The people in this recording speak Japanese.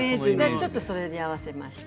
ちょっとそれに合わせました。